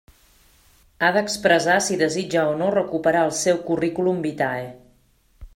Ha d'expressar si desitja o no recuperar el seu curriculum vitae.